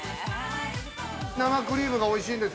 ◆生クリームがおいしいんです。